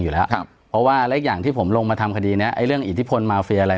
อย่างที่ผมลงมาทำคดีนี้ไอ้เรื่องอิทธิพลมาเฟียอะไร